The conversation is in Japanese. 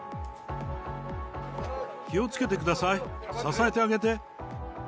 気をつけてください、支えてあげて。